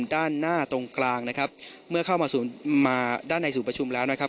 ด้านหน้าตรงกลางนะครับเมื่อเข้ามาสู่มาด้านในศูนย์ประชุมแล้วนะครับ